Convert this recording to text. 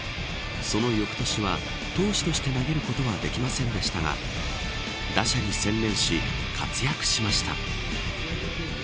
その翌年は投手として投げることはできませんでしたが打者に専念し、活躍しました。